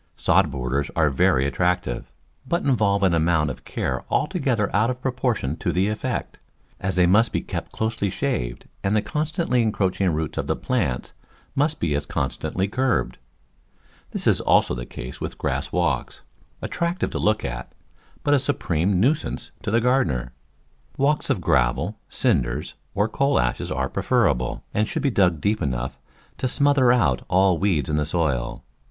Sod borders are very attractive, but involve an amount of care altogether out of proportion to the effect, as they must be kept closely shaved and the constantly encroaching roots of the plants must be as constantly curbed. This is also the case with grass walks, attractive to look at, but a supreme nuisance to the gardener. Walks of gravel, cinders or coal ashes are preferable, and should be dug deep enough to smother out all weeds in the soil.